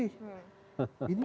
ini apaan ini